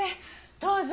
どうぞ。